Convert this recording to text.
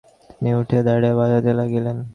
তিনি উঠিয়া দাঁড়াইয়া বাজাইতে লাগিলেন।